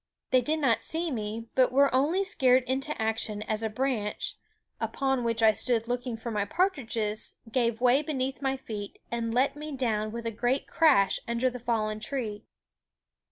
They did not see me, but were only scared into action as a branch, upon which I stood looking for my partridges, gave way beneath my feet and let me down with a great crash under the fallen tree.